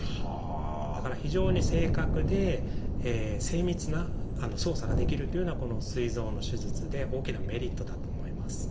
だから非常に正確で精密な操作ができるというのはこのすい臓の手術で大きなメリットだと思います。